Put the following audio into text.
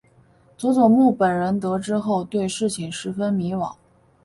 佐佐木本人得知后对事情十分迷惘。